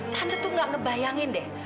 tante tuh gak ngebayangin deh